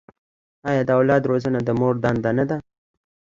آیا د اولاد روزنه د مور دنده نه ده؟